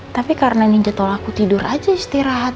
tapi karena ninjatoll aku tidur aja istirahat